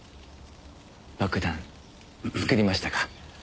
爆弾作りましたか？